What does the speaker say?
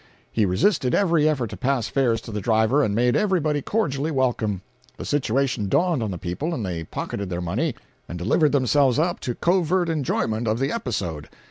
He resisted every effort to pass fares to the driver, and made everybody cordially welcome. The situation dawned on the people, and they pocketed their money, and delivered themselves up to covert enjoyment of the episode.